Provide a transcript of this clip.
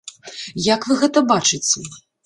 Як вы гэта бачыце?